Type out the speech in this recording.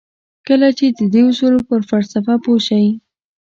کله چې د دې اصولو پر فلسفه پوه شئ.